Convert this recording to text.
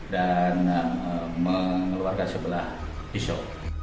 dan mengeluarkan sebelah pisau